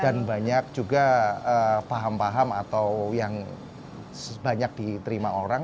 dan banyak juga paham paham atau yang banyak diterima orang